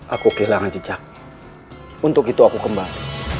aku kehilangan jejak untuk itu aku kembali